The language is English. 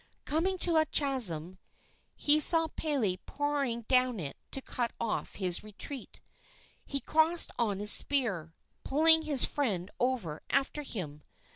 Coming to a chasm, he saw Pele pouring down it to cut off his retreat. He crossed on his spear, pulling his friend over after him.